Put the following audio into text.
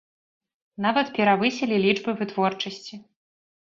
Нават перавысілі лічбы вытворчасці.